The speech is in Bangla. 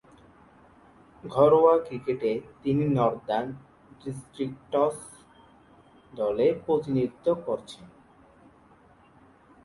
ঘরোয়া ক্রিকেটে তিনি নর্দান ডিস্ট্রিক্টস দলে প্রতিনিধিত্ব করছেন।